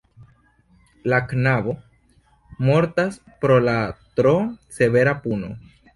La knabo mortas pro la tro severa puno.